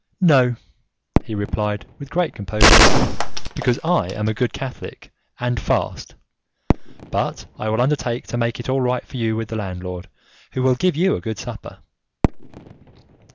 "No," he replied, with great composure, "because I am a good Catholic and fast. But I will undertake to make it all right for you with the landlord, who will give you a good supper."